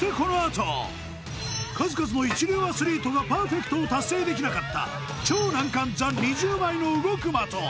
数々の一流アスリートがパーフェクトを達成できなかった超難関ＴＨＥ２０枚の動く的